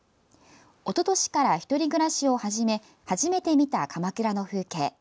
おととしから１人暮らしを始め初めて見た鎌倉の風景。